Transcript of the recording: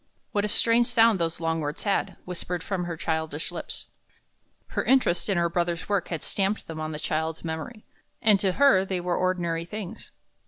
'" What a strange sound these long words had, whispered from her childish lips! Her interest in her brother's work had stamped them on the child's memory, and to her they were ordinary things.